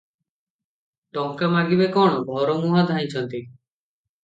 ଟଙ୍କା ମାଗିବେ କଣ, ଘରମୁହାଁ ଧାଇଁଛନ୍ତି ।